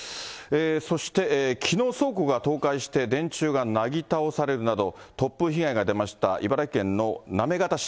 そして、きのう、倉庫が倒壊して、電柱がなぎ倒されるなど、突風被害が出ました、茨城県の行方市。